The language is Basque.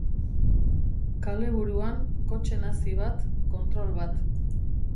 Kale-buruan, kotxe nazi bat, kontrol bat.